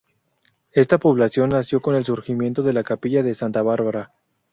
Esta población nació con el surgimiento de la capilla de Santa Bárbara.